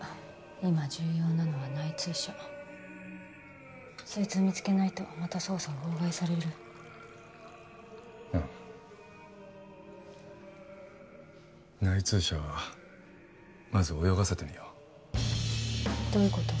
今重要なのは内通者そいつを見つけないとまた捜査を妨害されるうん内通者はまず泳がせてみようどういうこと？